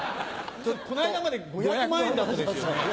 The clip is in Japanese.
この間まで５００万円だったですよね？